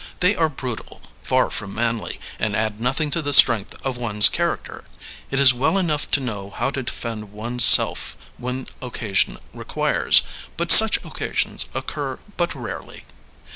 They are brutal, far from manly, and add nothing to the strength of one's character. It is well enough to know how to defend one's self when occasion requires, but such occasions occur but rarely.